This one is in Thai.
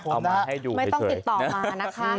เอามาให้อยู่เฉยไม่ต้องติดต่อมานะคะ